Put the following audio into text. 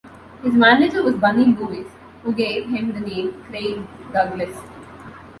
His manager was Bunny Lewis, who gave him the name Craig Douglas.